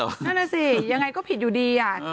นั่นน่ะสิยังไงก็ผิดอยู่ดี